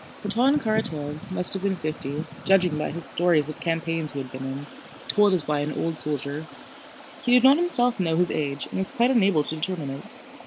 Platón Karatáev must have been fifty, judging by his stories of campaigns he had been in, told as by an old soldier. He did not himself know his age and was quite unable to determine it.